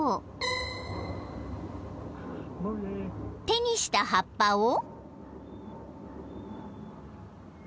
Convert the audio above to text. ［手にした葉っぱを］